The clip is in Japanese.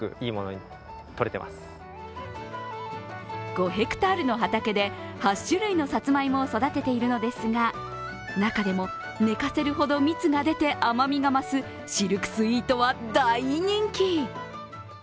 ５ｈａの畑で８種類のさつまいもを育てているのですが、中でも寝かせるほど蜜が出て甘みが増すシルクスイートは大人気。